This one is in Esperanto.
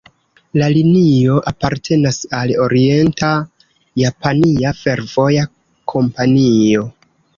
La linio apartenas al Orienta-Japania Fervoja Kompanio.